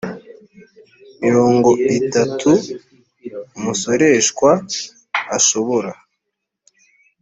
mirongo itatu umusoreshwa ashobora